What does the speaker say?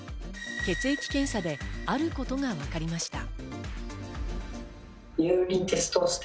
血液検査であることがわかりました。